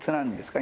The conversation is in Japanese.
今。